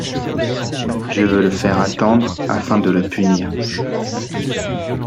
Je veux le faire attendre afin de le punir…